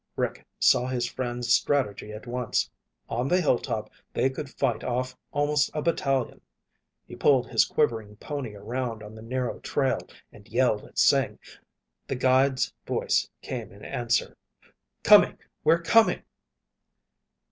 Rick saw his friend's strategy at once. On the hilltop, they could fight off almost a battalion. He pulled his quivering pony around on the narrow trail and yelled at Sing. The guide's voice came in answer. "Coming! We're coming!"